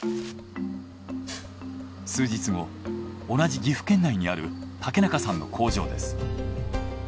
数日後同じ岐阜県内にある竹中さんの工場です。